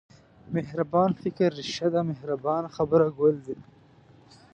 مهربان فکر رېښه ده مهربانه خبره ګل دی.